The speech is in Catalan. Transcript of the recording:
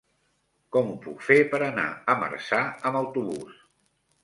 Com ho puc fer per anar a Marçà amb autobús?